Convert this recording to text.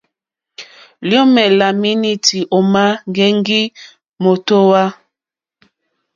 Liomè la menuti òma ŋgɛŋgi mòtohwa.